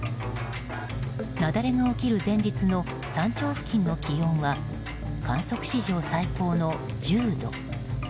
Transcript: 雪崩が起きる前日の山頂付近の気温は観測史上最高の１０度。